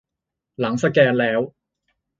หลังสแกนแล้ว